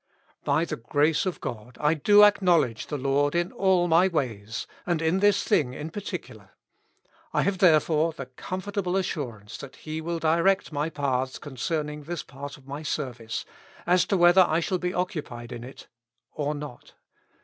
By the grace of God I do acknowledge the Lord in all my ways, and in this thing in particular ; I have therefore the comfortable assurance 269 Notes. that He will direct my paths concerning this part of my service, as to whether I shall be occupied in it or not.